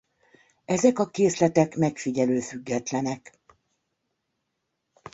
Ezek a készletek megfigyelő-függetlenek.